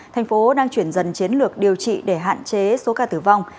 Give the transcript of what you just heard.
thành phố đang chuyển dần chiến lược điều trị để hạn chế số ca tử vong